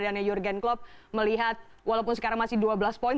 dana jurgen klopp melihat walaupun sekarang masih dua belas poin